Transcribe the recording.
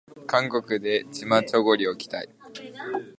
韓国でチマチョゴリを着たい